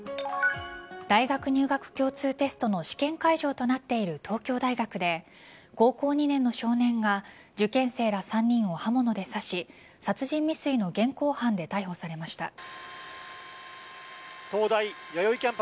大学入学共通テストの試験会場となっている東京大学で高校２年の少年が受験生ら３人を刃物で刺し殺人未遂の現行犯で逮捕されました。